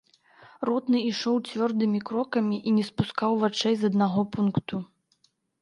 Ротны ішоў цвёрдымі крокамі і не спускаў вачэй з аднаго пункту.